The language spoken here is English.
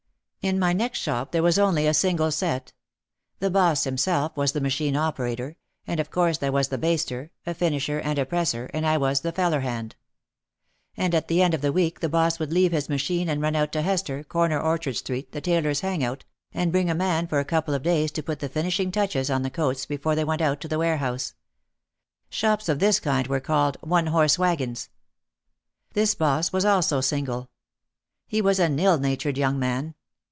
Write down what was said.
In my next shop there was only a single set. The 130 OUT OF THE SHADOW boss himself was the machine operator and of course there was the baster, a finisher and a presser and I was the feller hand. And at the end of the week the boss would leave his machine and run out to Hester, corner Orchard Street, the tailors' "hangout," and bring a man for a couple of days to put the finishing touches on the coats before they went out to the warehouse. Shops of this kind were called "One horse wagons." This boss was also single. He was an ill natured young man.